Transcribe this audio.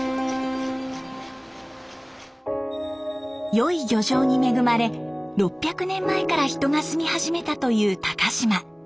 良い漁場に恵まれ６００年前から人が住み始めたという高島。